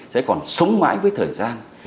sẽ còn sống mãi với thời gian